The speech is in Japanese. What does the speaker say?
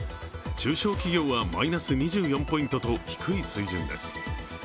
中小企業はマイナス２４ポイントと低い水準です。